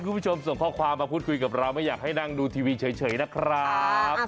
คู่กันสบัดข่าว